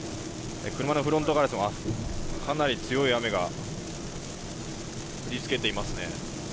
車のフロントガラスは、かなり強い雨が降りつけていますね。